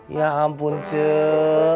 ya ampun cek